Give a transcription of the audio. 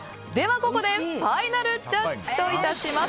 ここでファイナルジャッジといたします。